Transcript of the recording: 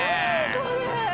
これ！